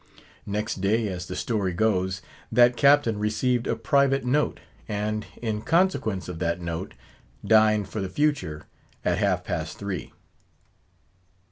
Next day, as the story goes, that Captain received a private note, and in consequence of that note, dined for the future at half past three.